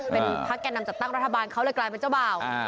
เป็นพักแก่นำจัดตั้งรัฐบาลเขาเลยกลายเป็นเจ้าบ่าว